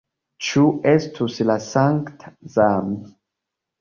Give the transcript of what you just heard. Ĉu estus la sankta Zam?